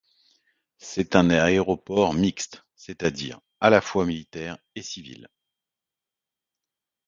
C'est un aéroport mixte, c'est-à-dire à la fois militaire et civil.